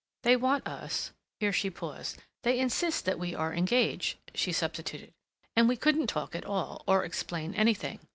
They want us—" here she paused. "They insist that we are engaged," she substituted, "and we couldn't talk at all, or explain anything.